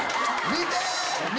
見て！